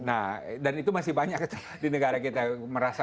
nah dan itu masih banyak di negara kita merasa